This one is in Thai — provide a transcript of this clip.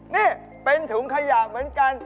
นี่เป็นถุงขยะเหมือนกัน